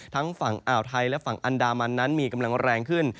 ฝั่งอ่าวไทยและฝั่งอันดามันนั้นมีกำลังแรงขึ้น